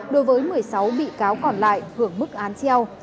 đối với một mươi sáu bị cáo còn lại hưởng mức án treo